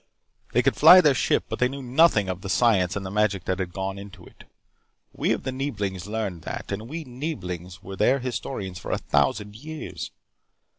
They could fly their ship, but they knew nothing of the science and the magic that had gone into it. We of the Neeblings learned that. And we Neeblings were their historians for a thousand years.